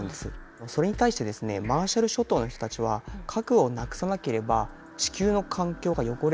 それに対してですねマーシャル諸島の人たちは核をなくさなければ地球の環境が汚れるぞと。